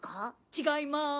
違います。